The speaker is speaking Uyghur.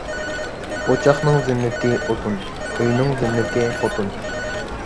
ئوچاقنىڭ زىننىتى ئوتۇن، ئۆينىڭ زىننىتى خوتۇن.